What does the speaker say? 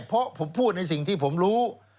เพราะผมพูดในสิ่งที่ผมรู้